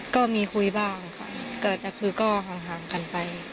ก็มีคุยบ้างค่ะเกิดก็คือก็ห่างกันไป